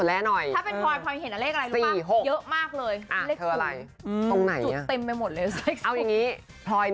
แล้วทำไมต้องเป็นพรอยน่ะ